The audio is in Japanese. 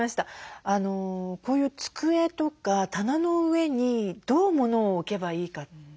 こういう机とか棚の上にどうものを置けばいいかって。